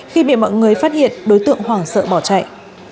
khi bị mọi người phát hiện đối tượng hoảng sợ bỏ chạy